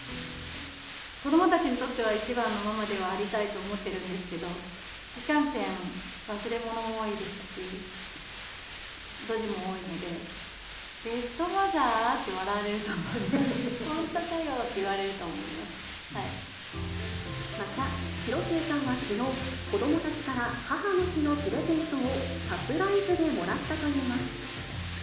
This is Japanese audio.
子どもたちにとっては、一番のママではありたいと思ってるんですけど、いかんせん、忘れ物も多いですし、ドジも多いので、ベストマザー？って笑われると思います、本当かよって言われるとまた、広末さんはきのう、子どもたちから母の日のプレゼントを、サプライズでもらったといいます。